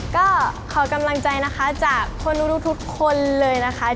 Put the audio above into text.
ก็ขอกำลังใจนะคะจากคนทุกคนเลยนะคะ